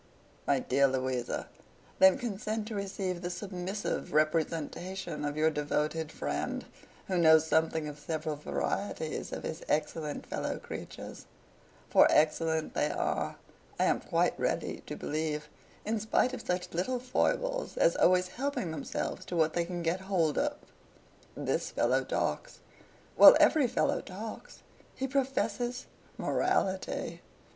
'My dear Louisa, then consent to receive the submissive representation of your devoted friend, who knows something of several varieties of his excellent fellow creatures—for excellent they are, I am quite ready to believe, in spite of such little foibles as always helping themselves to what they can get hold of. This fellow talks. Well; every fellow talks. He professes morality.